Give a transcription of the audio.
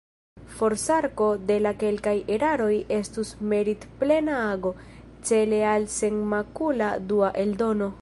Forsarko de la kelkaj eraroj estus meritplena ago, cele al senmakula dua eldono.